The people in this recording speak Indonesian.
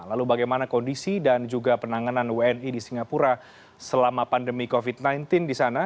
lalu bagaimana kondisi dan juga penanganan wni di singapura selama pandemi covid sembilan belas di sana